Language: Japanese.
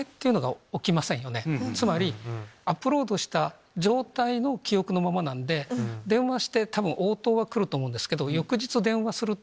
つまりアップロードした状態の記憶のままなんで電話して応答はくると思うけど翌日電話すると。